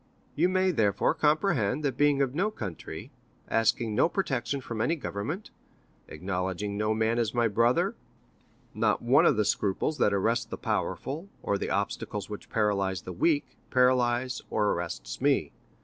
You may, therefore, comprehend, that being of no country, asking no protection from any government, acknowledging no man as my brother, not one of the scruples that arrest the powerful, or the obstacles which paralyze the weak, paralyzes or arrests me.